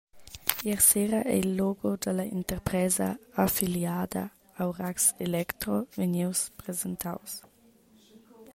Ier sera ei il logo dalla interpresa affiliada «aurax electro» vegnius presentaus.